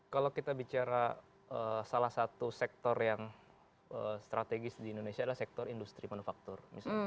kalau kita bicara salah satu sektor yang strategis di indonesia adalah sektor industri manufaktur